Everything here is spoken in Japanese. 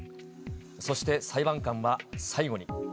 そして裁判官は最後に。